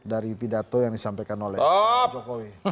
dari pidato yang disampaikan oleh jokowi